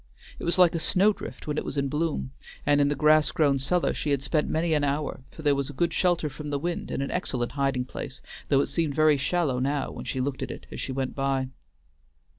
It was like a snow drift when it was in bloom, and in the grass grown cellar she had spent many an hour, for there was a good shelter from the wind and an excellent hiding place, though it seemed very shallow now when she looked at it as she went by.